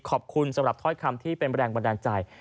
ขอบคุณสำหรับถ้อยคำที่เป็นแรงบันดาลใจ